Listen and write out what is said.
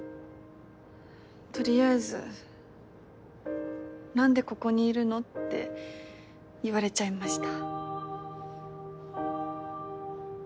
取りあえず「何でここにいるの？」って言われちゃいました。